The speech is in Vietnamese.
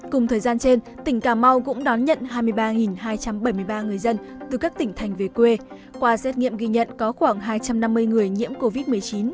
cùng thời gian trên tỉnh cà mau cũng đón nhận hai mươi ba hai trăm bảy mươi ba người dân từ các tỉnh thành về quê qua xét nghiệm ghi nhận có khoảng hai trăm năm mươi người nhiễm covid một mươi chín